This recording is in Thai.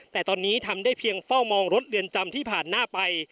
แต่ตอนนี้ทำได้เพียงเฝ้ามองรถเรือนจำที่ผ่านหน้าไป